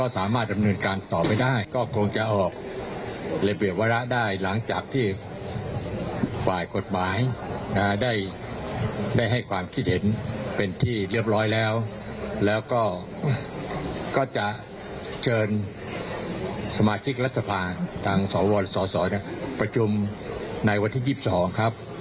สมาชิกรัฐสภาทางสวรรค์สวรรค์ประชุมในวันที่๒๒ครับ